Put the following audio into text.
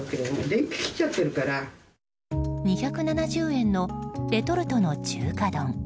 ２７０円のレトルトの中華丼。